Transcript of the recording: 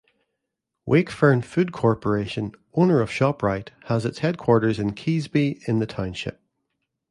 Wakefern Food Corporation, owner of ShopRite, has its headquarters in Keasbey in the township.